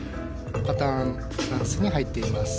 パターンダンスに入っていきます。